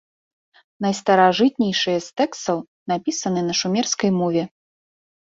Найстаражытнейшыя з тэкстаў напісаны на шумерскай мове.